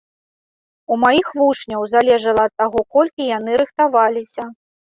У маіх вучняў залежала ад таго, колькі яны рыхтаваліся.